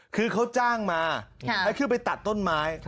คือเขาจ้างมาให้ขึ้นไปตัดต้นไม้